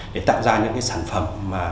để tạo ra những cái sản phẩm mà